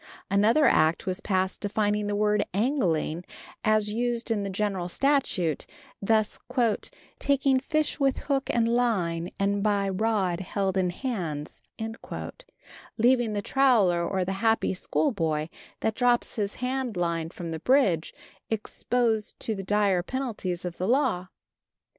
Another act was passed defining the word "angling," as used in the general statute, thus "taking fish with hook and line and by rod held in hands," leaving the troller or the happy schoolboy, that drops his hand line from the bridge, exposed to the dire penalties of the law.